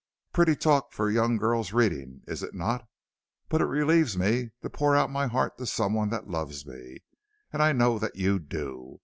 "Pretty talk for a young girl's reading, is it not? But it relieves me to pour out my heart to some one that loves me, and I know that you do.